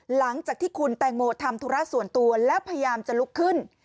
หลังจากที่คุณแตงโมทำธุระส่วนตัวแล้วพยายามจะลุกขึ้น